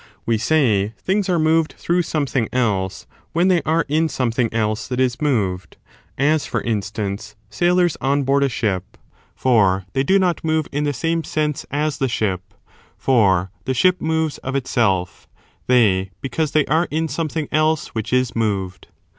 We say things are moved through something else when they are in something else that is moved: as, for instance, sailors on board a ship: for they do not move in the same sense as the ship, for the ship moves of itself, they because they are in something else which is moved.